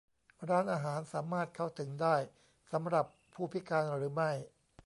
ร้านอาหารสามารถเข้าถึงได้สำหรับผู้พิการหรือไม่ ?